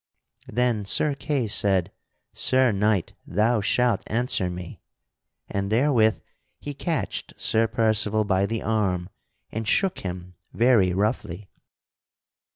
Then Sir Kay said: "Sir Knight, thou shalt answer me!" And therewith he catched Sir Percival by the arm and shook him very roughly.